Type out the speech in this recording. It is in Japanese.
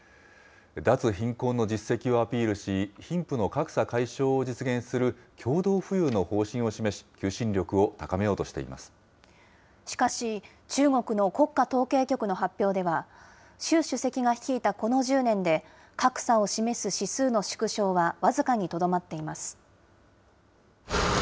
脱貧困の実績をアピールし、貧富の格差解消を実現する、共同富裕の方針を示し、求心力を高めようしかし、中国の国家統計局の発表では、習主席が率いたこの１０年で、格差を示す指数の縮小は僅かにとどまっています。